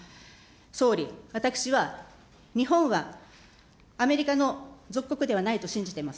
総理、私は日本はアメリカの属国ではないと信じてます。